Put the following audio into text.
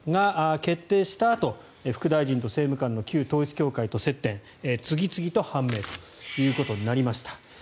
決定したあと、副大臣と政務官の旧統一教会と接点次々と判明ということになりました。